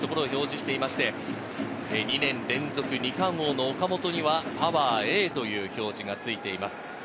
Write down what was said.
２年連続二冠王の岡本にはパワーＡという表示がついています。